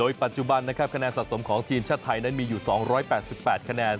ปัจจุบันนะครับคะแนนสะสมของทีมชาติไทยนั้นมีอยู่๒๘๘คะแนน